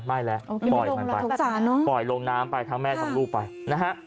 ไม่แล้วปล่อยมันไปปล่อยลงน้ำไปทั้งแม่ทั้งลูกไปนะฮะ